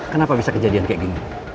kenapa bisa kejadian kayak gini